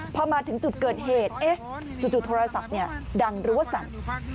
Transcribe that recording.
พอมาถึงจุดเกิดเหตุจู่โทรศัพท์ดังหรือว่าสั่น